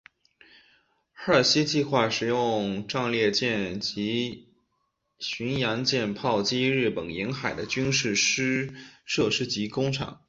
哈尔西计划使用战列舰及巡洋舰炮击日本沿海的军事设施及工厂。